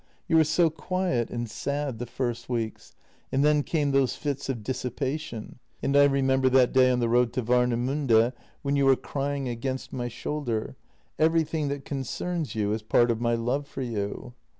You were so quiet and sad the first weeks, and then came those fits of dissipation — and I remem ber that day on the road to Warnemiinde, when you were crying against my shoulder — everything that concerns you is part of my love for you.